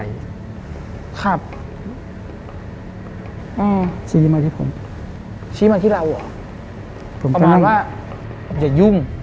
อย่ายุ่ง